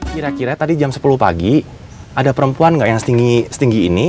kira kira tadi jam sepuluh pagi ada perempuan nggak yang setinggi ini